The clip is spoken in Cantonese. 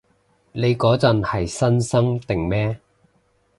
你嗰陣係新生定咩？